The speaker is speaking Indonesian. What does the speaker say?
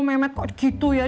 memet kok gitu ya